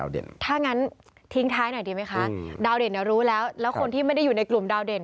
ดาวเด่นรู้แล้วแล้วคนที่ไม่ได้อยู่ในกลุ่มดาวเด่น